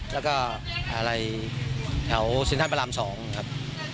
แล้วก็แถวเซ็นทรัลประรามสองครับ